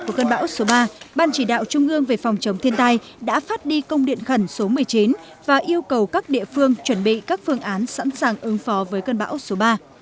trong cơn bão số ba ban chỉ đạo trung ương về phòng chống thiên tai đã phát đi công điện khẩn số một mươi chín và yêu cầu các địa phương chuẩn bị các phương án sẵn sàng ứng phó với cơn bão số ba